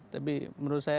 tapi menurut saya